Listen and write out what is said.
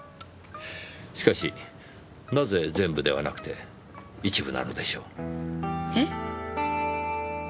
しかしなぜ全部ではなくて一部なのでしょう？え？